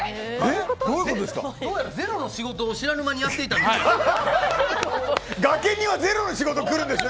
どうやらゼロの仕事を知らぬ間にやっていたようです。